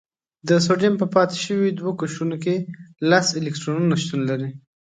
د سوډیم په پاتې شوي دوه قشرونو کې لس الکترونونه شتون لري.